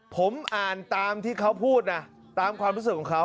ผมอ่านตามที่เขาพูดนะตามความรู้สึกของเขา